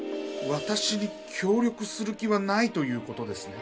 わたしに協力する気はないという事ですね？